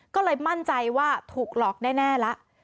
ก็เลยมั่นใจว่าถูกหลอกแน่ละ